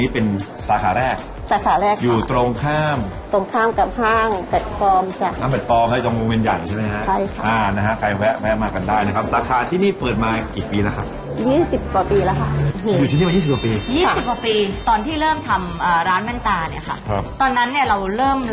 ภาระตรงเลยแล้วลุ้มเอาเงินที่ไหนมาใช้จ่าย